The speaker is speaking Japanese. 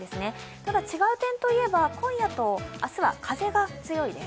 ただ、違う点といえば、今夜と明日は風が強いです。